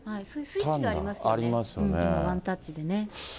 スイッチがありますよね、ワンタッチでね。